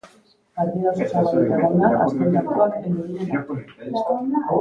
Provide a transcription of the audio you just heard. Partida oso zabalik egon da azken tantuak heldu diren arte.